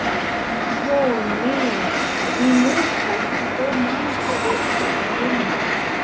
Ho ne! Mi mortas pro manko de oksigeno!